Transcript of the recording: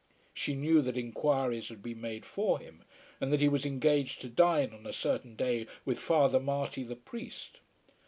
She knew that enquiries had been made for him and that he was engaged to dine on a certain day with Father Marty the priest.